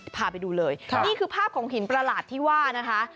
พาไปดูเลยนี่คือภาพของหินประหลาดที่ว่านะคะ